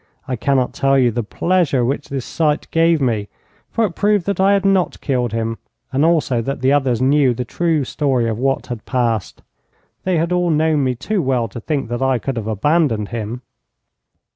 I cannot tell you the pleasure which this sight gave me, for it proved that I had not killed him, and also that the others knew the true story of what had passed. They had all known me too well to think that I could have abandoned him.